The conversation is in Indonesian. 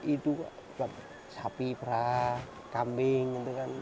itu sapi perah kambing